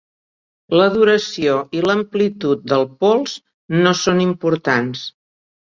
La duració i l'amplitud del pols no són importants.